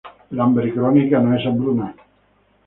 El hambre crónica no es hambruna.